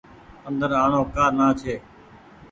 اندر آڻو ڪآ نآ ڇي۔